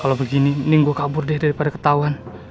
kalau begini ini gue kabur deh daripada ketahuan